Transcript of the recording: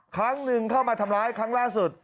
ครั้งหนึ่งเข้ามาทำร้ายครั้งล่าสุด